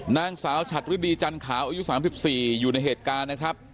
นางสาวฉัดฤดีจันขาวอายุ๓๔อยู่ในเหตุการณ์นะครับ